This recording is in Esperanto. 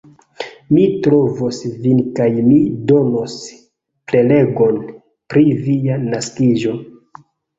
Mi trovos vin kaj mi donos prelegon pri via naskiĝo.